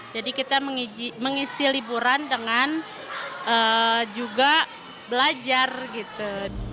jadi kita mengisi liburan dengan juga belajar gitu